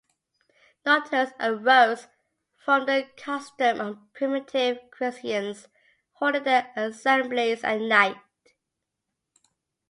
Nocturnes arose from the custom of primitive Christians holding their assemblies at night.